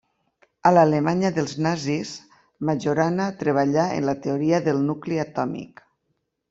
A l'alemanya dels nazis Majorana treballà en la teoria del nucli atòmic.